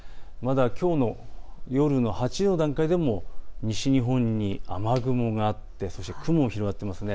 きょうの夜の８時の段階でも西日本に雨雲があってそして雲が広がっています。